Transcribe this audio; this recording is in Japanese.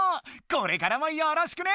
これからもよろしくね！